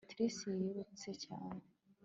Trix yirutse cyane